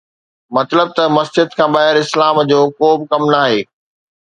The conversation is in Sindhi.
مطلب ته مسجد کان ٻاهر اسلام جو ڪوبه ڪم ناهي